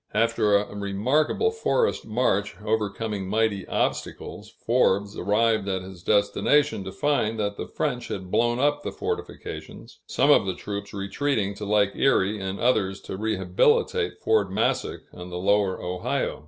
After a remarkable forest march, overcoming mighty obstacles, Forbes arrived at his destination to find that the French had blown up the fortifications, some of the troops retreating to Lake Erie and others to rehabilitate Fort Massac on the Lower Ohio.